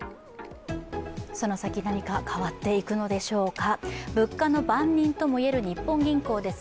そのサキ、何か変わっていくのでしょうか。